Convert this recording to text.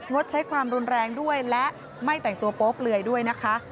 ดใช้ความรุนแรงด้วยและไม่แต่งตัวโป๊เปลือยด้วยนะคะ